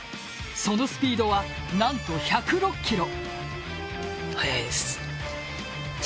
そのスピードは何と１０６キロ。